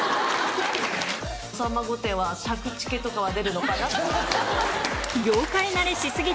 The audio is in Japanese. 「『さんま御殿‼』はタクチケとかは出るのかな？」。